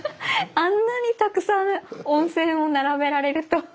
あんなにたくさん温泉を並べられると。